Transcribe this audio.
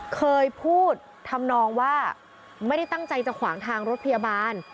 เคยพูดทำนองว่าไม่ได้ตั้งใจจะขวางทางรถพยาบาล